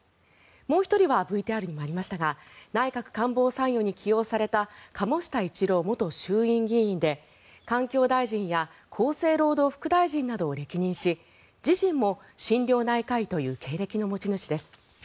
もう１人はＶＴＲにもありましたが内閣官房参与にも起用された鴨下一郎元衆院議員で環境大臣や厚生労働副大臣などを歴任し自身も心療内科医という経歴の持ち主です。